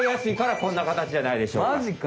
マジか。